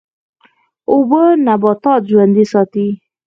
اوبه نباتات ژوندی ساتي.